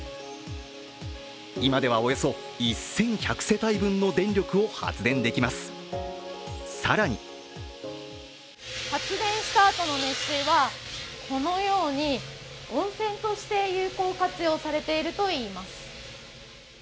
今ではおよそ１１００世帯分の電力を発電できます、更に発電したあとの熱水はこのように温泉として有効活用されているといいます。